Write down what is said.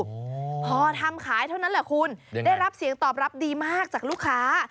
พอทำขายเท่านั้นแหละคุณได้รับเสียงตอบรับดีมากจากลูกค้า